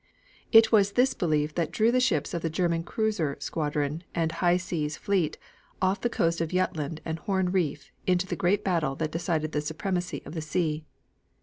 It was this belief that drew the ships of the German cruiser squadron and High Seas Fleet off the coast of Jutland and Horn Reef into the great battle that decided the supremacy of the sea.